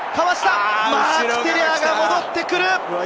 マーク・テレアが戻ってくる！